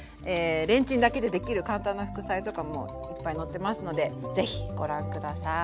レンチンだけでできる簡単な副菜とかもいっぱい載ってますのでぜひご覧下さい。